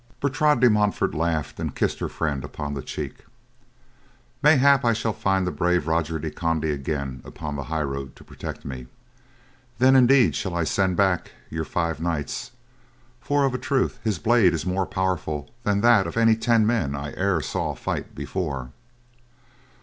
Bertrade de Montfort laughed, and kissed her friend upon the cheek. "Mayhap I shall find the brave Roger de Conde again upon the highroad to protect me. Then indeed shall I send back your five knights, for of a truth, his blade is more powerful than that of any ten men I e'er saw fight before."